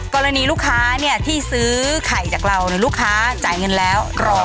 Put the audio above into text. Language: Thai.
กรณีลูกค้าเนี่ยที่ซื้อไข่จากเราลูกค้าจ่ายเงินแล้วรอ